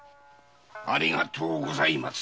ありがとうございます。